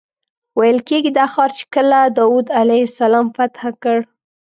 ویل کېږي دا ښار چې کله داود علیه السلام فتح کړ.